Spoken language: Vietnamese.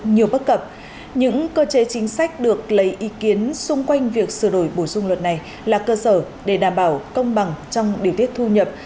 nhiều bất cập những cơ chế chính sách được lấy ý kiến xung quanh việc sửa đổi bổ sung luật này là cơ sở để đảm bảo công bằng trong điều tiết thu nhập